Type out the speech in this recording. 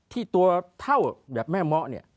ที่ตัวเท่าแบบแม่เมาะเนี่ย